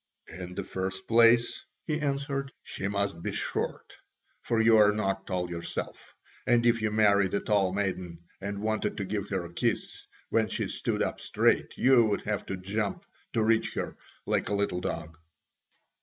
"In the first place," he answered, "she must be short, for you are not tall yourself, and if you married a tall maiden and wanted to give her a kiss when she stood up straight, you would have to jump to reach her like a little dog."